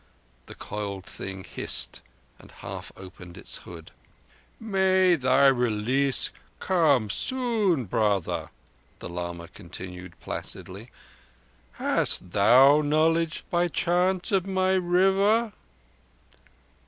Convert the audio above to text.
The coiled thing hissed and half opened its hood. "May thy release come soon, brother!" the lama continued placidly. "Hast thou knowledge, by chance, of my River?"